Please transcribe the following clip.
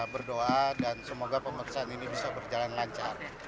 berdoa dan semoga pemeriksaan ini bisa berjalan lancar